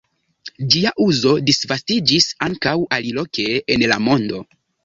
Ĝia uzo disvastiĝis ankaŭ aliloke en la mondo.